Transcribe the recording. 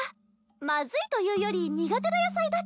まずいというより苦手な野菜だっちゃ。